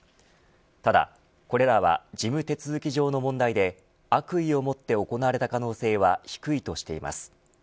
ただ、これらは事務手続き上の問題で悪意をもって行われた可能性は低いとしています。